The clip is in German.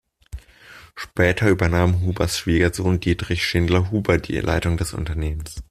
Später übernahm Hubers Schwiegersohn Dietrich Schindler-Huber die Leitung des Unternehmens.